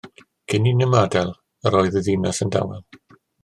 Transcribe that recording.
Cyn i ni ymadael yr oedd y ddinas yn dawel.